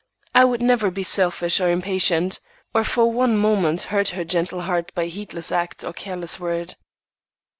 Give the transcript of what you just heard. I would never be selfish or impatient, or for one moment hurt her gentle heart by heedless act or careless word.